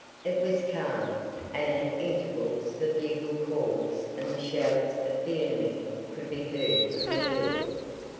It was calm, and at intervals the bugle calls and the shouts of the enemy could be heard from the hill.